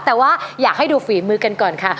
แต่ว่าอยากให้ดูฝีมือกันก่อนค่ะ